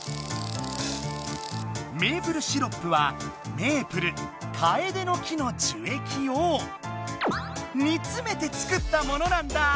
メープルシロップはメープルカエデの木の樹液をにつめて作ったものなんだ。